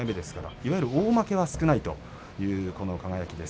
いわゆる大負けは少ないという輝です。